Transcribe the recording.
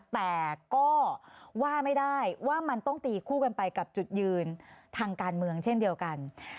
แต่ก็ว่าไม่ได้ว่ามันต้องตีคู่กันไปกับจุดยืนทางการเมืองเช่นเดียวกัน